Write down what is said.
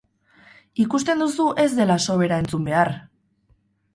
Ikusten duzu ez dela sobera entzun behar!